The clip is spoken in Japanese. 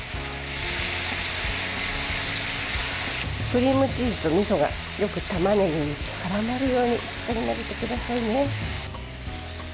クリームチーズと、みそがよくたまねぎにからまるようにしっかり混ぜてくださいね。